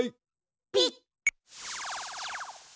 ピッ！